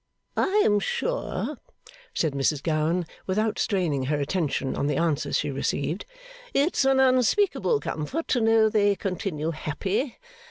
'I am sure,' said Mrs Gowan, without straining her attention on the answers she received, 'it's an unspeakable comfort to know they continue happy.